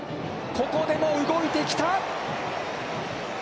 ここでも動いてきた！